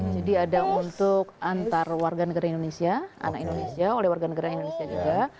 jadi ada untuk antar warga negara indonesia anak indonesia oleh warga negara indonesia juga